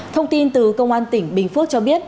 thông tin từ công an tỉnh bình phước cho biết